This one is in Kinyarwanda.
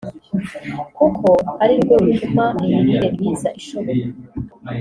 kuko ari rwo rutuma imirire myiza ishoboka